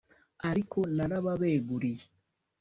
ariko narababeguriye